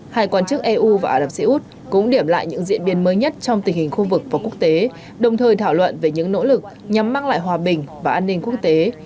hai quan chức eu và ả rập xê út cũng điểm lại những diễn biến mới nhất trong tình hình khu vực và quốc tế đồng thời thảo luận về những nỗ lực nhằm mang lại hòa bình và an ninh quốc tế